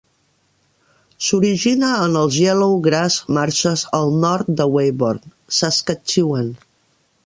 S'origina en els Yellow Grass Marshes al nord de Weyburn, Saskatchewan.